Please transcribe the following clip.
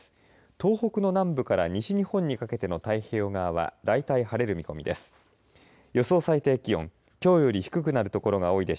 東北の南部から西日本にかけての太平洋側は大体晴れる見込みです。